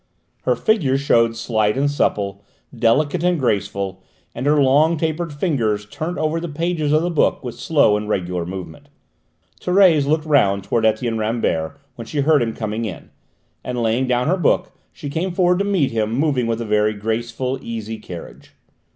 Her figure showed slight and supple, delicate and graceful, and her long, tapered fingers turned over the pages of the book with slow and regular movement. Thérèse looked round towards Etienne Rambert when she heard him coming in, and laying down her book she came forward to meet him, moving with a very graceful, easy carriage.